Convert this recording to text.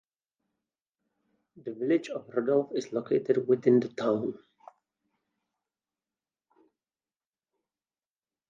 The Village of Rudolph is located within the town.